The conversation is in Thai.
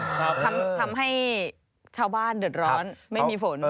ทำให้ชาวบ้านเดือดร้อนไม่มีฝน